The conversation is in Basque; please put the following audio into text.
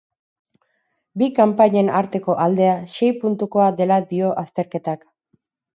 Bi kanpainen arteko aldea sei puntukoa dela dio azterketak.